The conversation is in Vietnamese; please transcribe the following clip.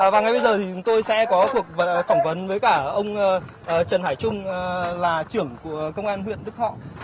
và ngay bây giờ thì chúng tôi sẽ có cuộc phỏng vấn với cả ông trần hải trung là trưởng của công an huyện đức thọ